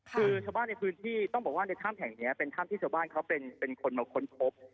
คือชาวบ้านในพื้นที่ต้องบอกว่าในถ้ำแห่งนี้เป็นถ้ำที่ชาวบ้านเขาเป็นคนมาค้นพบ